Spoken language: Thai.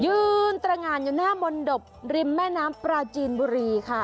ตรงานอยู่หน้ามนตบริมแม่น้ำปลาจีนบุรีค่ะ